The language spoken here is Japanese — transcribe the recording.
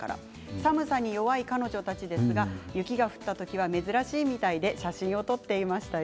寒さに弱い彼女たちですが雪が降った時は珍しいみたいで写真を撮っていました。